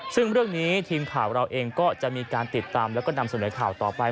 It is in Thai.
ซึ่งเรื่องนี้ทีมข่าวเราเองก็จะมีการติดตามแล้วก็นำเสนอข่าวต่อไป